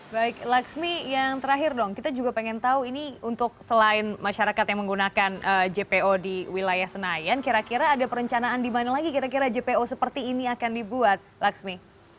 baik laksmi yang terakhir dong kita juga pengen tahu ini untuk selain masyarakat yang menggunakan jpo di wilayah senayan kira kira ada perencanaan di mana lagi kira kira jpo seperti ini akan dibuat laksmi